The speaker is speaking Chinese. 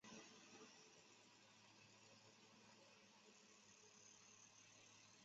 趣味野外竞赛。